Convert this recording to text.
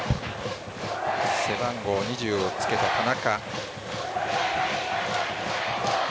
背番号２０をつけた田中。